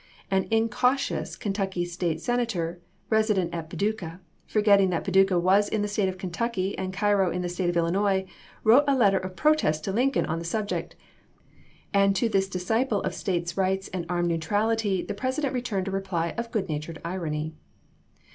An incautious Kentucky State Sena tor, resident at Paducah, forgetting that Paducah was in the State of Kentucky and Cairo in the State of Illinois, wrote a letter of protest to Lin coln on the subject, and to this disciple of States Rights and armed neutrality the President returned a reply of good natured irony.